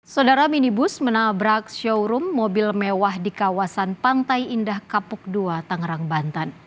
saudara minibus menabrak showroom mobil mewah di kawasan pantai indah kapuk dua tangerang banten